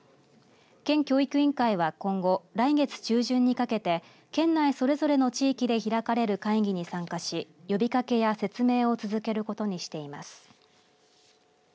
県教育委員会は今後来月中旬にかけて県内それぞれの地域で開かれる会議に参加し呼びかけや説明を続けることにしています。